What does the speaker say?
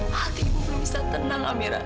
hati ibu belum bisa tenang amira